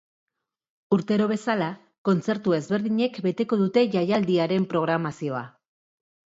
Urtero bezala, kontzertu ezberdinek beteko dute jaialdiaren programazioa.